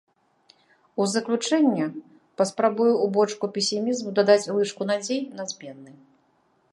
У заключэнне паспрабую ў бочку песімізму дадаць лыжку надзей на змены.